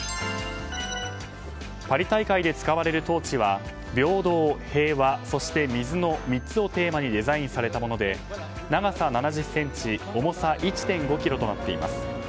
パリ大会で使われるトーチは平等、平和そして水の３つをテーマにデザインされたもので長さ７０ｃｍ、重さ１．５ｋｇとなっています。